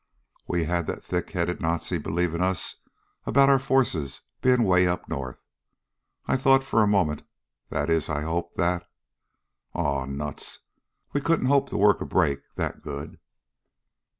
We had that thick headed Nazi believing us about our forces being way up north. I thought for a moment that is, I hoped that Aw, nuts! We couldn't hope to work a break that good!"